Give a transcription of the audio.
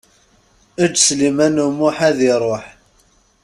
Eǧǧ Sliman U Muḥ ad iṛuḥ.